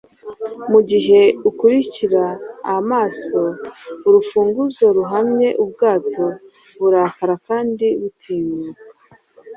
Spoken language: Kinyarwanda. Mugihe ukurikira amaso urufunguzo ruhamye ubwato burakara kandi butinyuka